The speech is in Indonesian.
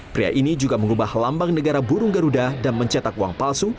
pria ini juga mengubah lambang negara burung garuda dan mencetak uang palsu